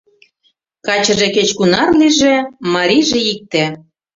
Качыже кеч-кунар лийже, марийже — икте.